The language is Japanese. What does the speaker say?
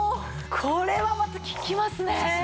これはまた効きますね。